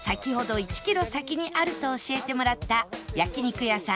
１キロ先にあると教えてもらった焼肉屋さん